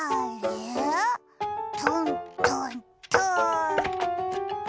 トントントン！